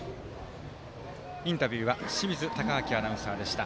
インタビューは清水敬亮アナウンサーでした。